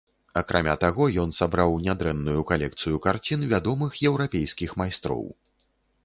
Акрамя таго ён сабраў нядрэнную калекцыю карцін вядомых еўрапейскіх майстроў.